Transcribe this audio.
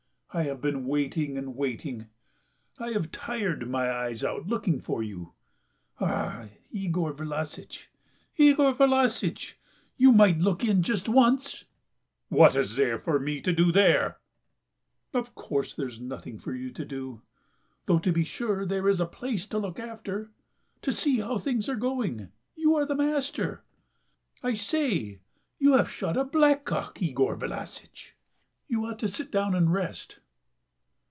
I have been waiting and waiting... I've tired my eyes out looking for you. Ah, Yegor Vlassitch, Yegor Vlassitch! you might look in just once!" "What is there for me to do there?" "Of course there is nothing for you to do... though to be sure... there is the place to look after.... To see how things are going.... You are the master.... I say, you have shot a blackcock, Yegor Vlassitch! You ought to sit down and rest!"